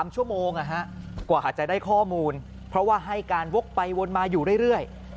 ๓ชั่วโมงกว่าอาจจะได้ข้อมูลเพราะว่าให้การวกไปวนมาอยู่เรื่อย